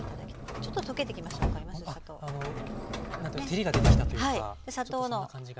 照りが出てきたというかそんな感じが。